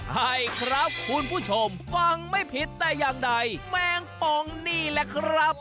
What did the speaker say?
ให้ครับคุณผู้ชมฟังไม่ผิดแต่อย่างใดแมงปองนี่แหละครับ